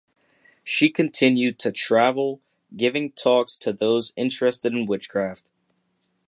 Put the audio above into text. She continues to travel, giving talks to those interested in witchcraft.